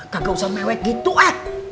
gak usah mewek gitu eh